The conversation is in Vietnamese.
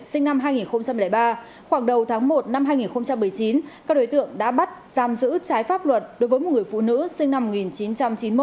sinh năm hai nghìn ba khoảng đầu tháng một năm hai nghìn một mươi chín các đối tượng đã bắt giam giữ trái pháp luật đối với một người phụ nữ sinh năm một nghìn chín trăm chín mươi một